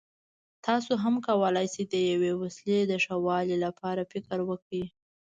تاسو هم کولای شئ د یوې وسیلې د ښه والي لپاره فکر وکړئ.